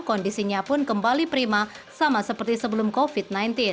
kondisinya pun kembali prima sama seperti sebelum covid sembilan belas